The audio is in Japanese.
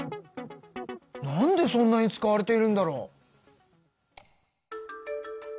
なんでそんなに使われているんだろう？